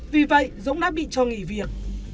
vì vậy dũng đã bị cho nghỉ việc